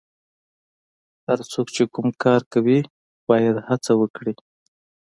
هر څوک چې کوم کار کوي باید هڅه وکړي.